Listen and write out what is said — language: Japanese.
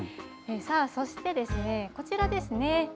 そしてこちらですね